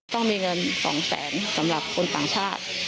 ต้องมีเงิน๒แสนสำหรับคนต่างชาติ